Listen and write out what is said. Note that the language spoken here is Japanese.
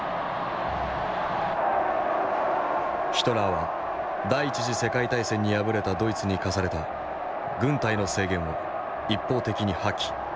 ヒトラーは第一次世界大戦に敗れたドイツに課された軍隊の制限を一方的に破棄再軍備を始めた。